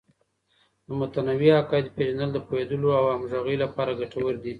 د متنوع عقایدو پیژندل د پوهیدلو او همغږۍ لپاره ګټور دی.